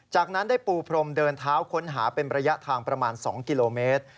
จากนั้นได้ปูพรมเดินเท้าค้นหาเป็นระยะทางประมาณ๒กิโลเมตร